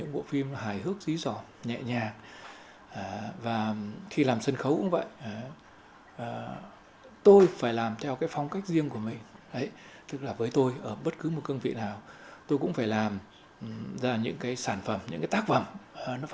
bảo con không có nhà nhé